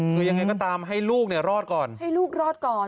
คือยังไงก็ตามให้ลูกเนี่ยรอดก่อนให้ลูกรอดก่อน